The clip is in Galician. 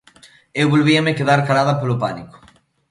Eu volvíame quedar calada polo pánico.